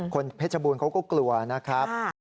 เพชรบูรณเขาก็กลัวนะครับ